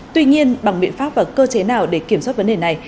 tuy nhiên bằng biện pháp và cơ chế nào để kiểm soát vấn đề này